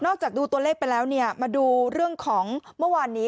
จากดูตัวเลขไปแล้วเนี่ยมาดูเรื่องของเมื่อวานนี้